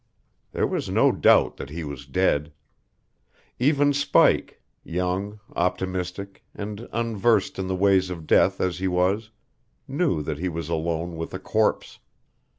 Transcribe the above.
There was no doubt that he was dead. Even Spike, young, optimistic, and unversed in the ways of death as he was, knew that he was alone with a corpse.